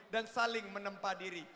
dan saling menempa diri